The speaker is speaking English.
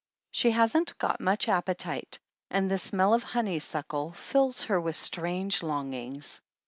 She hasn't got much appetite and the smell of honeysuckle fills her with strange longings.